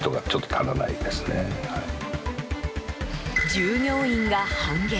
従業員が半減。